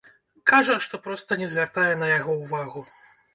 Кажа, што проста не звяртае на яго ўвагу.